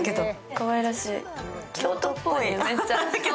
かわいらしい。